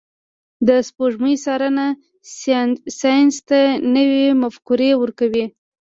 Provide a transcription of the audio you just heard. د سپوږمۍ څارنه ساینس ته نوي مفکورې ورکوي.